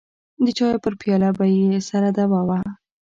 د چايو پر پياله به يې سره دعوه وه.